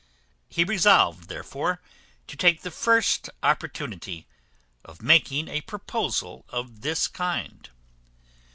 He resolved therefore to take the first opportunity of making a proposal of this kind.